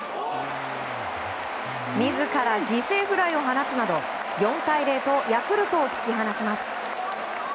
自ら犠牲フライを放つなど４対０とヤクルトを突き放します。